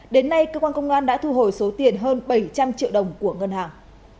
đến nay cơ quan công an đã thu hồi số tiền hơn bảy trăm linh triệu đồng của ngân hàng